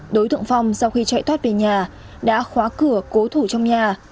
đối tượng phong sau khi chạy thoát về nhà đã khóa cửa cố thủ trong nhà